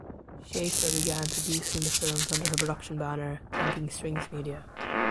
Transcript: Schafer began producing the films under her production banner Thinking Strings Media.